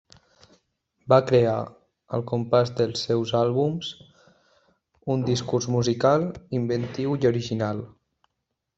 Va crear, al compàs dels seus àlbums, un discurs musical inventiu i original.